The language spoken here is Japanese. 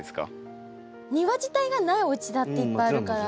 庭自体がないおうちだっていっぱいあるから。